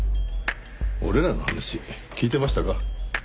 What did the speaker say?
俺らの話聞いてましたか？